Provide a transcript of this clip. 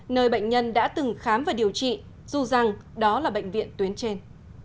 nơi bệnh nhân đã từng khám và điều trị dù rằng đó là bệnh viện tuyến trên